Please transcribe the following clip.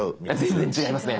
全然違いますね。